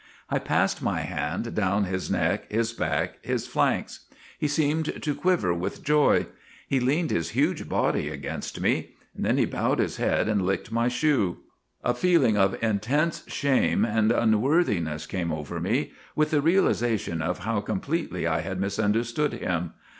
I passed my hand down his neck, his back, his flanks. He seemed to quiver with joy. He leaned his huge body against me. Then he bowed his head and licked my shoe. " A feeling of intense shame and unworthiness came over me, with the realization of how com pletely I had misunderstood him.